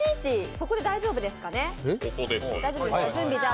そこで大丈夫ですか。